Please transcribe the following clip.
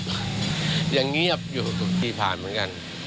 จังเลยไม่โพสต์